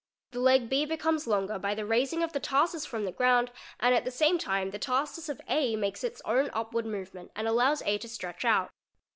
The leg B becomes longer by the raising of the tarsus from the ground and at the same time the tarsus of 4 makes its own upward movement and allows A to stretch out.